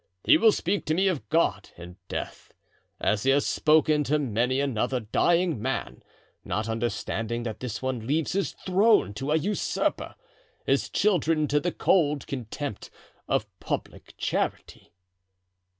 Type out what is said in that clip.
He will speak to me of God and death, as he has spoken to many another dying man, not understanding that this one leaves his throne to an usurper, his children to the cold contempt of public charity."